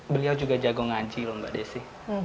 beliau juga jago nganci loh mbak desi